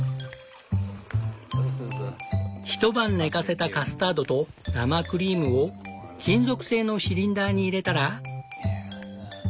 一晩寝かせたカスタードと生クリームを金属製のシリンダーに入れたら。